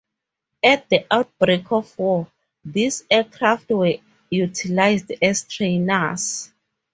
At the outbreak of war, these aircraft were utilised as trainers.